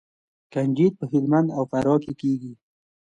کنجد په هلمند او فراه کې کیږي.